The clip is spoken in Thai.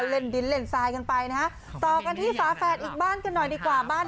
เล่นดิ้นเล่นซายกันไปนะ